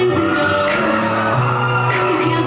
ขึ้นเครื่อง